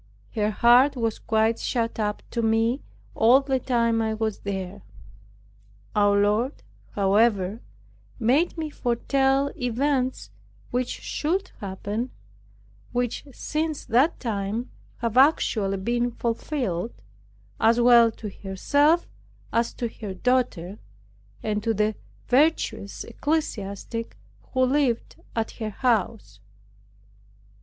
Her heart was quite shut up to me all the time I was there. Our Lord, however, made me foretell events which should happen, which since that time have actually been fulfilled, as well to herself as to her daughter, and to the virtuous ecclesiastic who lived at her house.